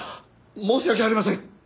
申し訳ありません！